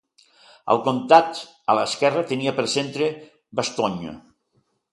El comtat a l'esquerra tenia per centre Bastogne.